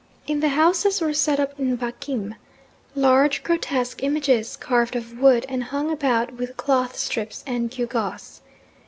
In the houses were set up Nbakim, large, grotesque images carved of wood and hung about with cloth strips and gew gaws.